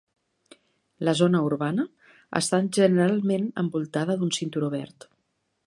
La zona urbana està generalment envoltada d'un cinturó verd.